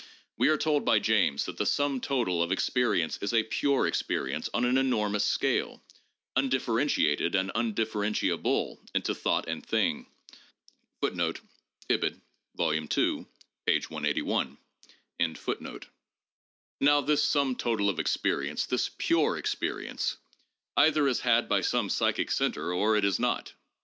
We are told by James that the sum total of experiences is a 'pure' experience on an enormous scale, undif ferentiated and undifferentiable into thought and thing. 3 Now this sum total of experience, this 'pure' experience, either is had by some psychic center or it is not.